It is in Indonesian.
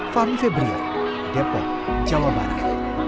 fahmi febrile depok jawa barat